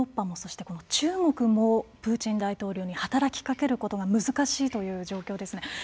もそして中国もプーチン大統領に働きかけることが難しいという状況ですね。